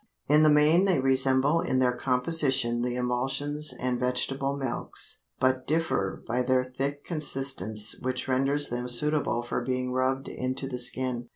In the main they resemble in their composition the emulsions and vegetable milks, but differ by their thick consistence which renders them suitable for being rubbed into the skin.